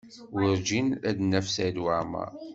Werǧin ad d-naf Saɛid Waɛmaṛ.